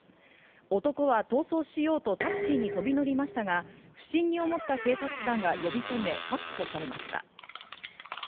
男は逃走しようとタクシーに飛び乗りましたが、不審に思った警察官が呼び止め確保されました。